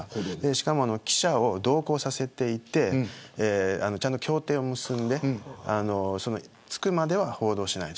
しかも記者を同行させていてちゃんと協定を結んで着くまでは報道しない。